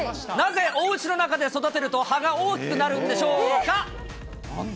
なぜおうちの中で育てると、葉が大きくなるんでしょうか。